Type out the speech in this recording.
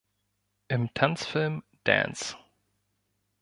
Im Tanzfilm "Dance!